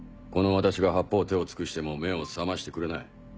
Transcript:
この私が八方手を尽くしても目を覚ましてくれない。